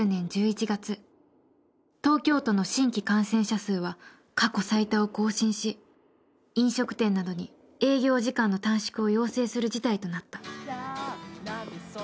東京都の新規感染者数は過去最多を更新し飲食店などに営業時間の短縮を要請する事態となった